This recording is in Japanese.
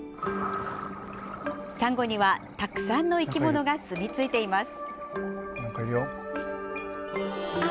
サンゴにはたくさんの生き物がすみついています。